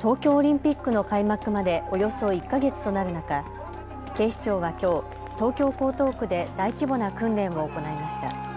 東京オリンピックの開幕までおよそ１か月となる中、警視庁はきょう、東京江東区で大規模な訓練を行いました。